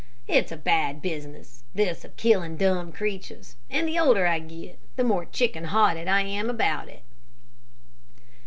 It's a bad business this of killing dumb creatures, and the older I get, the more chicken hearted I am about it."